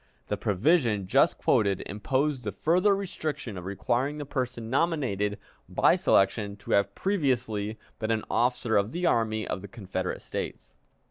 The provision just quoted imposed the further restriction of requiring the person nominated by selection to have previously been an officer of the Army of the Confederate States.